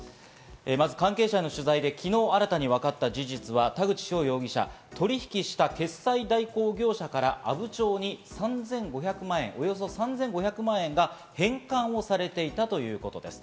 関係者への取材で昨日新たに分かった事実は田口翔容疑者、取引した決済代行業者から阿武町におよそ３５００万円が返還をされていたということです。